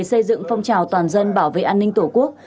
xây dựng phong trào toàn dân bảo vệ an ninh tổ quốc